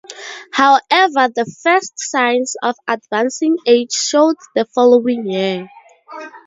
However, the first signs of advancing age showed the following year.